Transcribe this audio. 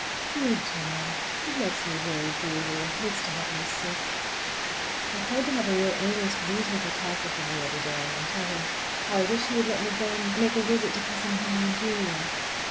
Dear John! He loves me very dearly, and hates to have me sick. I tried to have a real earnest reasonable talk with him the other day, and tell him how I wish he would let me go and make a visit to Cousin Henry and Julia.